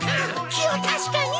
気を確かに！